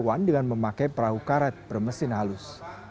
hewan dengan memakai perahu karet bermesin halus